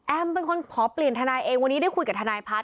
เป็นคนขอเปลี่ยนทนายเองวันนี้ได้คุยกับทนายพัฒน